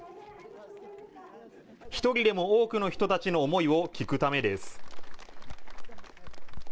１人でも多くの人たちの思いを聞くためです。